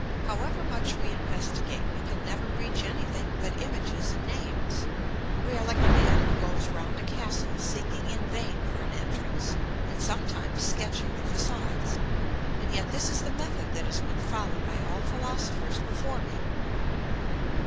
However much we investigate, we can never reach anything but images and names. We are like a man who goes round a castle seeking in vain for an entrance, and sometimes sketching the façades. And yet this is the method that has been followed by all philosophers before me.